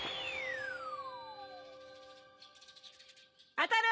あたる！